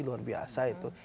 luar biasa itu